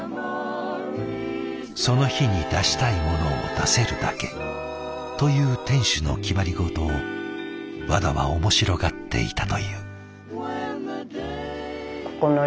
その日に出したいものを出せるだけという店主の決まり事をワダは面白がっていたという。